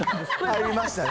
入りましたね。